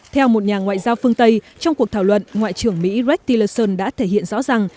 theo một nhà ngoại giao phương tây trong cuộc thảo luận ngoại trưởng mỹ rick tillerson đã thể hiện rõ rằng